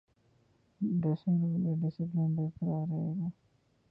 dressing room کا discipline برقرار رہے گا